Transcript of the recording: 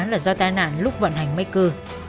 là do tai nạn lúc vận hành mấy cư